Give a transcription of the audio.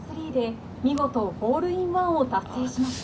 見事ホールインワンを達成しました。